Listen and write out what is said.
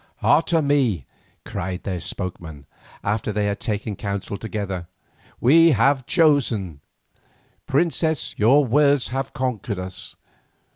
"Otomie," cried their spokesman, after they had taken counsel together, "we have chosen. Princess, your words have conquered us.